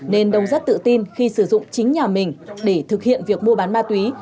nên đông rất tự tin khi sử dụng chính nhà mình để thực hiện việc mua bán ma túy